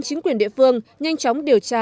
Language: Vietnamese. chính quyền địa phương nhanh chóng điều tra